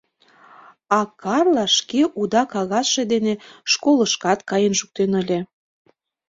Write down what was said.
А Карла шке уда кагазше дене школышкат каен шуктен ыле.